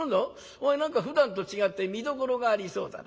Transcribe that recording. お前何かふだんと違って見どころがありそうだな。